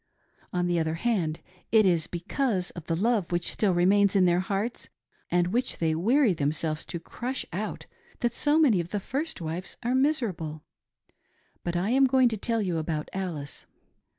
On the other hand, it is because of the love which still remains in their hearts, and which they weary themselves to crush out, that so many of the first wives are miserable. But I was going to tell you about Alice.